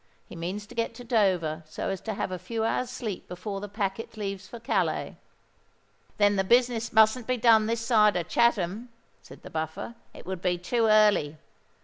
He means to get to Dover so as to have a few hours' sleep before the packet leaves for Calais." "Then the business mustn't be done this side of Chatham," said the Buffer: "it would be too early.